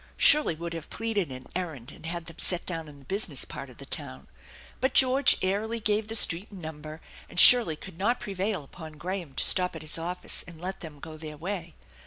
Shirley would have pleaded an errand and had them set down in the business part of the town; but George airily gave the street and number, and Shirley could not prevail upon Graham to stop at his office and let them go their way.